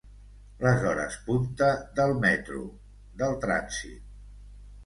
Les hores punta del metro, del trànsit.